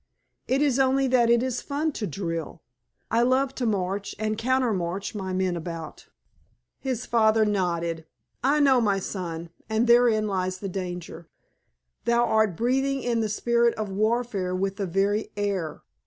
It is only that it is fun to drill. I love to march and counter march my men about." His father nodded. "I know, my son. And therein lies the danger. Thou art breathing in the spirit of warfare with the very air.